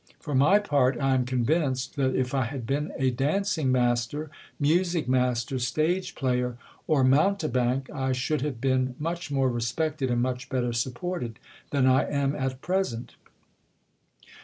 For my part, I am convinced, that, if I had been a dancing master, music master, stage player, or mounte bank, 1 should have been much more respected, and much better supported, than I am at present.